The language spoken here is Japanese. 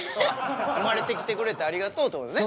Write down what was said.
生まれてきてくれてありがとうというね。